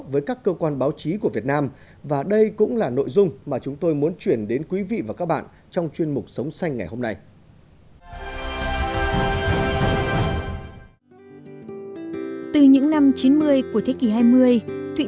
đây là những nội dung mà chúng tôi muốn chuyển đến quý vị và các bạn trong chuyên mục sống xanh ngày hôm nay